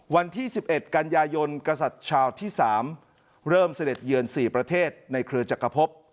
วันที่๑๑กันยายนกษัตริย์ชาวที่๓เริ่มเสด็จเยือน๔ประเทศในเครือจักรพบ